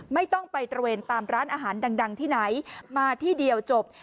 ไม่ต้องไปตระเวนตามร้านอาหารดังที่ไหนมาที่เดียวจบ